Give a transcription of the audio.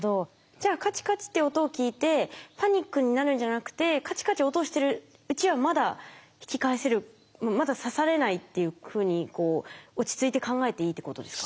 じゃあカチカチって音を聞いてパニックになるんじゃなくてカチカチ音してるうちはまだ引き返せるまだ刺されないっていうふうに落ち着いて考えていいってことですか？